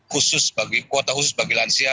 khusus bagi kuota khusus bagi lansia